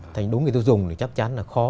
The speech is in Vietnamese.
thành đối người tiêu dùng chắc chắn là khó